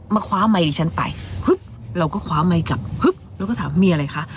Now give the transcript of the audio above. คว้าไมค์ดิฉันไปเราก็คว้าไมค์กลับฮึบแล้วก็ถามมีอะไรคะ